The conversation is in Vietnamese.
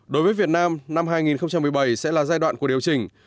đối với việt nam năm hai nghìn một mươi bảy sẽ là giai đoạn của điều chỉnh